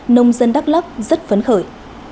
nông dân đắk lắc rất phấn khởi